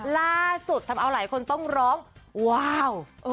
ล่าสุดทำเอาหลายคนต้องร้องว้าว